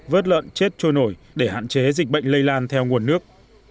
vớt lợn chết trôi nổi để hạn chế dịch bệnh lây lan theo nguồn nước